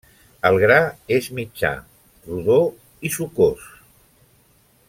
El gra és mitjà, rodó i sucós.